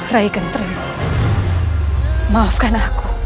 rai kenteri maafkan aku